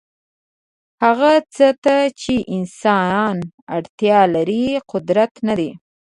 هغه څه ته چې انسان اړتیا لري قدرت نه دی.